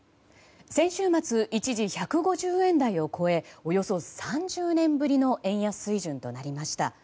先週末、一時１５０円台を超えおよそ３０年ぶりの円安水準となりました。